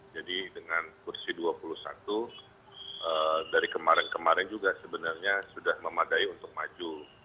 jadi dengan kursi dua puluh satu dari kemarin kemarin juga sebenarnya sudah memadai untuk maju